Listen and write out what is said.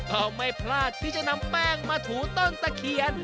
เขาไม่พลาดที่จะนำแป้งมาถูต้นตะเคียน